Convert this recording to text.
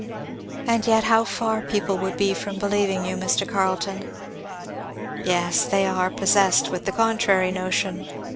"And yet how far people would be from believing you, Mr. Carleton." "Yes they are possessed with the contrary notion.